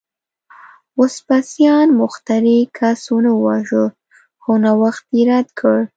وسپاسیان مخترع کس ونه واژه، خو نوښت یې رد کړ